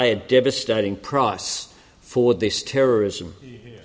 yang diberi uang yang mengerikan untuk terorisme ini